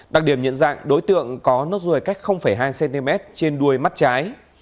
đặc điểm nhận dạng đối tượng có nốt ruồi cách hai cm trên đuôi mắt trái